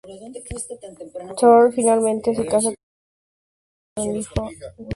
Thor finalmente se casa con la Encantadora y tiene un hijo, Magni.